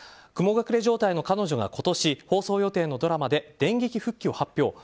雲隠れ状態の彼女が今年放送予定のドラマで電撃復帰を発表。